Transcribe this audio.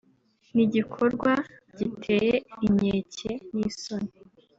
ni igikorwa giteye inkeke n’isoni